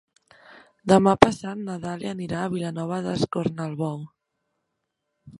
Demà passat na Dàlia anirà a Vilanova d'Escornalbou.